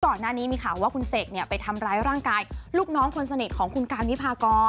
ก่อนหน้านี้มีข่าวว่าคุณเสกไปทำร้ายร่างกายลูกน้องคนสนิทของคุณการวิพากร